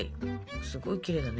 すごいきれいだね。